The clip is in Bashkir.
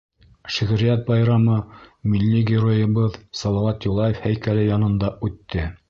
Шиғриәт байрамы милли геройыбыҙ Салауат Юлаев һәйкәле янында үтте.